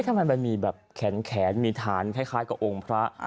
ทำไมมันมีแบบแขนมีฐานคล้ายกับองค์พระ